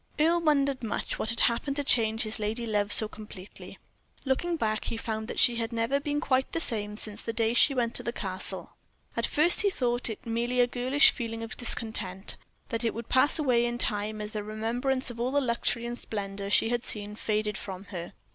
Earle wondered much what had happened to change his lady love so completely. Looking back, he found that she had never been quite the same since the day she went to the Castle. At first he thought it merely a girlish feeling of discontent; that it would pass away in time as the remembrance of all the luxury and splendor she had seen faded from her.